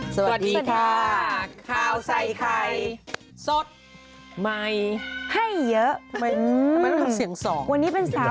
สวัสดีค่ะข้าวใส่ไข่สดใหม่ให้เยอะมันคือเสียงสองวันนี้เป็นสาว